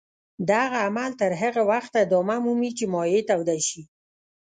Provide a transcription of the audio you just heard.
دغه عمل تر هغه وخته ادامه مومي چې مایع توده شي.